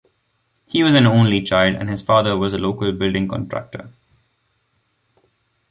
He was an only child and his father was a local building contractor.